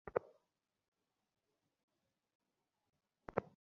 তোমাদের আর বিশেষ কি কাজ আছে?